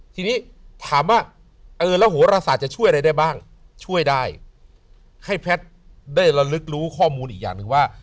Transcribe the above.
ทีนี้ถามว่าเออแล้วโหรศาสตร์จะช่วยอะไรได้บ้างช่วยได้ให้แพทย์ได้ระลึกรู้ข้อมูลอีกอย่างหนึ่งว่า